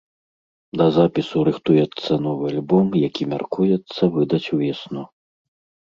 Да запісу рыхтуецца новы альбом, які мяркуецца выдаць увесну.